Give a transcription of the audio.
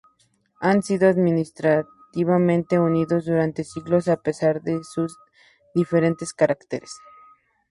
Han sido administrativamente unidos durante siglos a pesar de sus diferentes caracteres.